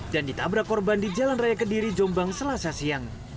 dan ditabrak korban di jalan raya kediri jombang selasa siang